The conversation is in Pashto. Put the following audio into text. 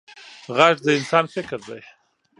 غږ د انسان فکر دی